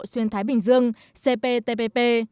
xuyên thái bình dương cptpp